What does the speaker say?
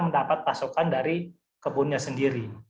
mendapat pasokan dari kebunnya sendiri